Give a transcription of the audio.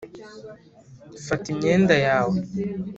fata imyenda yawe.